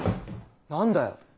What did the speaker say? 何だよ。